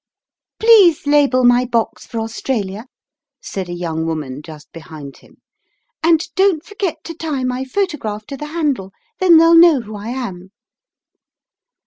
" Please label my box for Australia," said a young woman just behind him, "and don't forget to tie my photograph to the handle, then they'll know who I am."